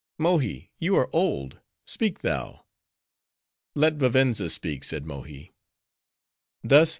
"Mohi, you are old: speak thou." "Let Vivenza speak," said Mohi.